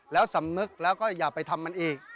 แล้วสำนึกแล้วก็อย่าไปทำมันอีก